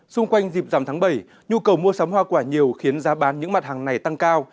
xung quanh dịp giảm tháng bảy nhu cầu mua sắm hoa quả nhiều khiến giá bán những mặt hàng này tăng cao